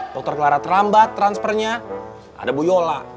dr clara terlambat transfernya ada bu yola